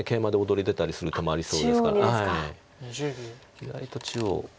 意外と中央。